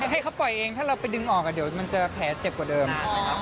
ให้เขาปล่อยเองถ้าเราไปดึงออกเดี๋ยวมันจะแผลเจ็บกว่าเดิม